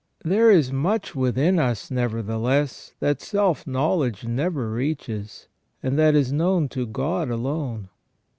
There is much within us, neverthe less, that self knowledge never reaches, and that is known to God alone.